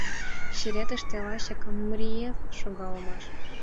Черетыште лачак Мриев шога улмаш.